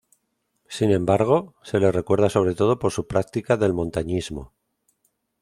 Sin embargo, se le recuerda sobre todo por su práctica del montañismo.